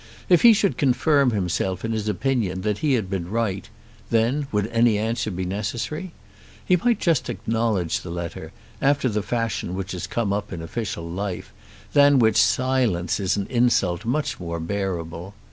If he should confirm himself in his opinion that he had been right, then would any answer be necessary? He might just acknowledge the letter, after the fashion which has come up in official life, than which silence is an insult much more bearable.